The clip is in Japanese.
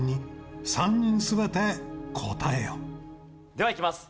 ではいきます。